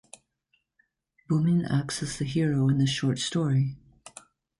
Bumin acts as the hero in this short story.